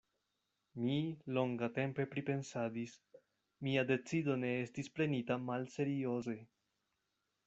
Mi longatempe pripensadis: mia decido ne estis prenita malserioze.